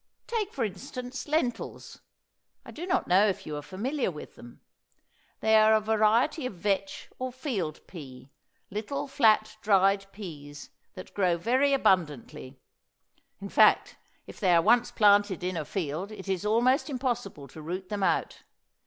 Take for instance, lentils; I do not know if you are familiar with them. They are a variety of vetch or field pea, little flat, dried peas, that grow very abundantly; in fact, if they are once planted in a field it is almost impossible to root them out.